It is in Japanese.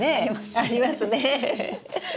ありますねえ。